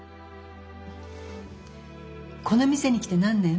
この店に来て何年？